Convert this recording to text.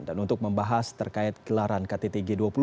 dan untuk membahas terkait gelaran kttg dua puluh